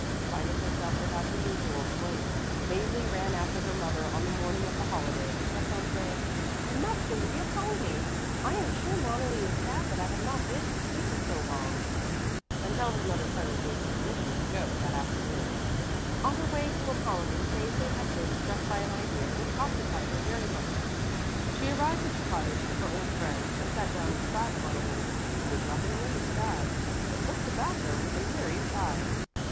Finding herself without her usual employment, Mäzli ran after her mother on the morning of the holiday and kept on saying, "I must go to see Apollonie. I am sure Loneli is sad that I have not been to see her so long," until her mother finally gave her permission to go that afternoon. On her way to Apollonie Mäzli had been struck by an idea which occupied her very much. She arrived at the cottage of her old friend and sat down beside Loneli, who was not in the least sad, but looked about her with the merriest eyes.